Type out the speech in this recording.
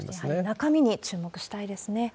中身に注目したいですね。